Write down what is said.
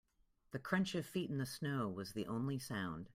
The crunch of feet in the snow was the only sound.